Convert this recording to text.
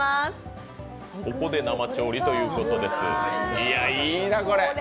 ここで生調理ということです、いいな、これ。